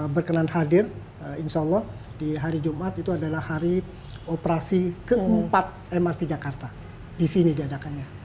berkenan hadir insya allah di hari jumat itu adalah hari operasi keempat mrt jakarta di sini diadakannya